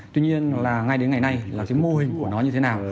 tuy nhiên là ngay đến ngày nay là cái mô hình của nó như thế nào